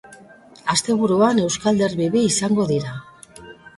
Asteburuan euskal derbi bi izango dira.